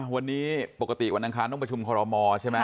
วันนี้ปกติวันอังคารต้องประชุมคอรมอใช่ไหม